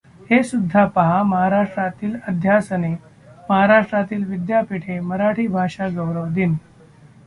हे सुद्धा पहा महाराष्ट्रातील अध्यासने महाराष्ट्रातील विद्यापीठे मराठी भाषा गौरव दिन.